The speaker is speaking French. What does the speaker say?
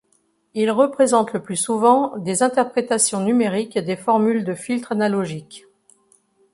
Ils représentent, le plus souvent, des interprétations numériques des formules de filtres analogiques.